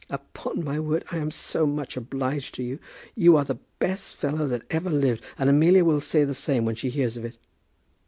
"Upon my word I am so much obliged to you! You are the best fellow that ever lived. And Amelia will say the same when she hears of it."